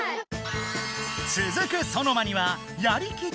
つづくソノマには「やりきったで賞」